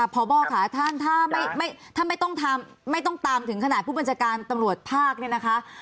พบค่ะท่านถ้าไม่ต้องตามถึงขนาดผู้บัญชาการตำรวจภาคเนี่ยนะคะ